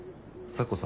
咲子。